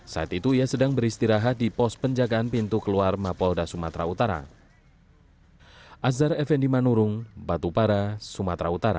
saat itu ia sedang beristirahat di pos penjagaan pintu keluar mapolda sumatera utara